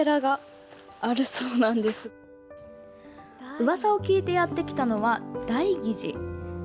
うわさを聞いてやってきたのは大儀寺。